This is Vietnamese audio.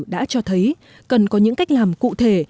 đã cho thấy cần có những cách làm cụ thể